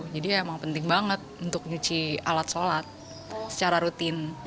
jadi emang penting banget untuk nyuci alat sholat secara rutin